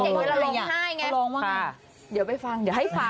เดี๋ยวไปฟังเดี๋ยวให้ฟัง